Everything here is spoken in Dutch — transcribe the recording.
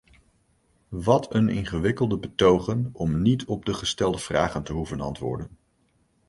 Wat een ingewikkelde betogen om niet op de gestelde vragen te hoeven antwoorden!